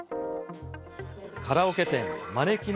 カラオケ店、まねきね